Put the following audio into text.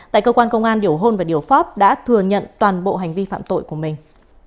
tại cơ quan công an điểu hôn và điều pháp đã thừa nhận toàn bộ hành vi phạm tội của mình